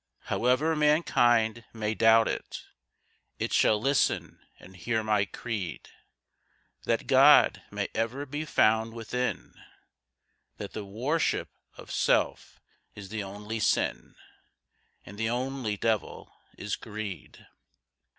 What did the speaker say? However mankind may doubt it, It shall listen and hear my creed— That God may ever be found within, That the worship of self is the only sin, And the only devil is greed.